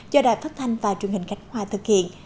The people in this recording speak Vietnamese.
do đài phát thanh và truyền hình khánh hòa thực hiện